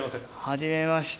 はじめまして。